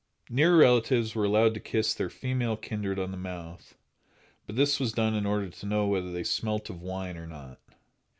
Near relatives were allowed to kiss their female kindred on the mouth, but this was done in order to know whether they smelt of wine or not.